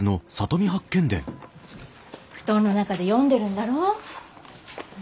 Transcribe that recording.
布団の中で読んでるんだろう？